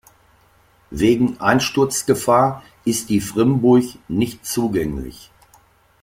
Wegen Einsturzgefahr ist die Frymburk nicht zugänglich.